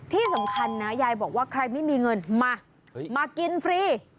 ที่สำคัญนะยายบอกว่าใครไม่มีเงินมามากินฟรี